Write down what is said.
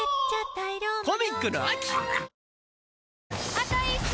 あと１周！